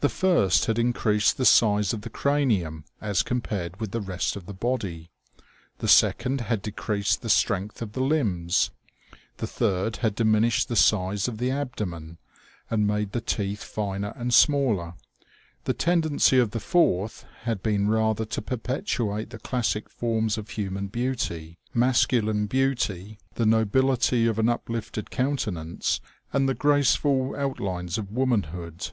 The first had increased the size of the cranium as compared with the rest of the body ; the second had de creased the strength of the limbs ; the third had dimin ished the size of the abdomen and made the teeth finer and smaller ; the tendency of the fourth had been rather to perpetuate the classic forms of human beauty : mascu line beauty, the nobility of an uplifted countenance, and the graceful outlines of womanhood.